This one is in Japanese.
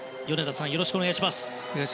よろしくお願いします。